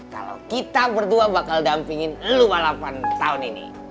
kalau kita berdua bakal dampingin lo malam tahun ini